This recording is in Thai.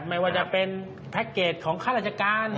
ไม่ว่าจะเป็นแพ็คเกจของข้าราชการ